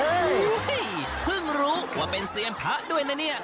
โอ้โหเพิ่งรู้ว่าเป็นเซียนพระด้วยนะเนี่ย